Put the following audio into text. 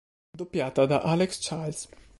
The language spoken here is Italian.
Doppiata da Alex Childs.